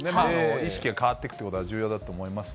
意識が変わっていくということは重要だと思います。